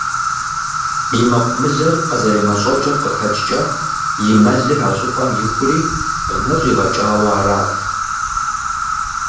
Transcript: И мэкъумылэр къызэремэщӏэкӏым къыхэкӏкӏэ, и мэлыр а щӏыпӏэм ихури, гъэ щӏигъэкӏауэ арат.